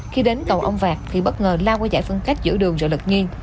khi đến cầu ông vạc thì bất ngờ lao qua dải phân khách giữa đường rồi lật nhiên